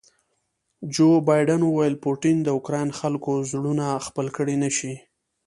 جو بایډن وویل پوټین د اوکراین خلکو زړونه خپل کړي نه شي.